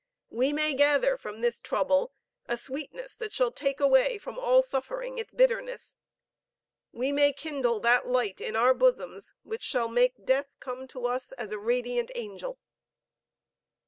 We may gather from this trouble, a sweetness that shall take away from all suffering its bitterness. We may kindle that light in our bosoms, which shall make death come to us as a radiant angel."